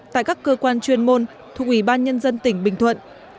tại các cơ quan chuyên môn thuộc ủy ban nhân dân tỉnh bình thuận